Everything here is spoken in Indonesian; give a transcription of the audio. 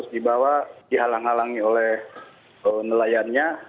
di bawah dihalang halangi oleh nelayannya